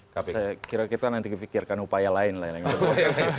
saya kira kita nanti dipikirkan upaya lain lah yang gitu